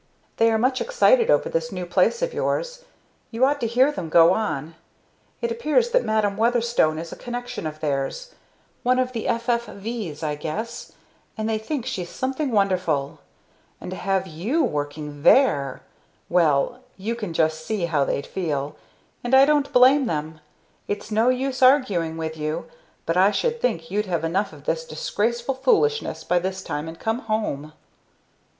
They are much excited over this new place of yours you ought to hear them go on! It appears that Madam Weatherstone is a connection of theirs one of the F. F. V's, I guess, and they think she's something wonderful. And to have you working there! well, you can just see how they'd feel; and I don't blame them. It's no use arguing with you but I should think you'd have enough of this disgraceful foolishness by this time and come home!"